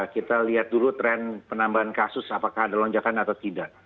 kita lihat dulu tren penambahan kasus apakah ada lonjakan atau tidak